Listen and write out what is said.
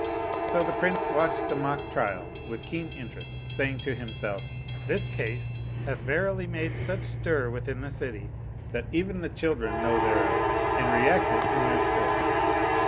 So the Prince watched the mock trial with keen interest saying to himself, " This case hath verily made such stir within the city that even the children know thereof and re act it in their sports."